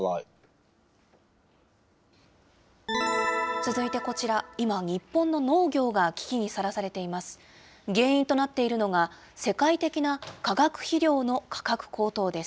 続いてこちら、今、日本の農業が危機にさらされています。